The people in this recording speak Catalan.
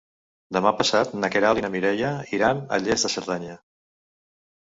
Demà passat na Queralt i na Mireia iran a Lles de Cerdanya.